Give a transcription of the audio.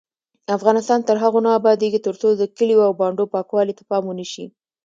افغانستان تر هغو نه ابادیږي، ترڅو د کلیو او بانډو پاکوالي ته پام ونشي.